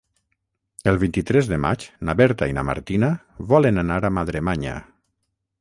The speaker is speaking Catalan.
El vint-i-tres de maig na Berta i na Martina volen anar a Madremanya.